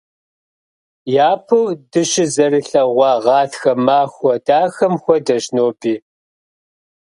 Япэу дыщызэрылъэгъуа гъатхэ махуэ дахэм хуэдэщ ноби.